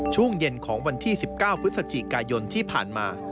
ช่วงเย็นของวันที่๑๙พฤศจิกายนที่ผ่านมา